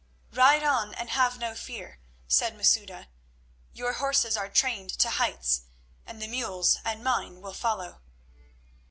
"Ride on and have no fear," said Masouda. "Your horses are trained to heights, and the mules and mine will follow."